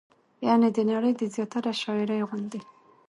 يعنې د نړۍ د زياتره شاعرۍ غوندې